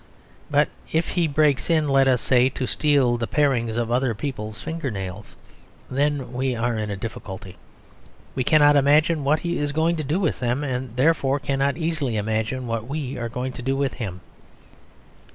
But if he breaks in, let us say, to steal the parings of other people's finger nails, then we are in a difficulty: we cannot imagine what he is going to do with them, and therefore cannot easily imagine what we are going to do with him.